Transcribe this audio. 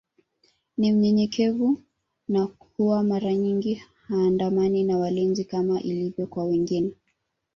Ni mnyenyekevu na huwa mara nyingi haandamani na walinzi kama ilivyo kwa wengine